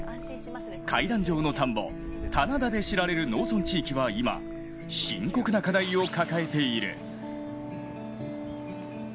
階段状の田んぼ、棚田で知られる農村地域は今、深刻な課題を抱えている。